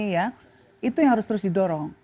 ya itu yang harus terus didorong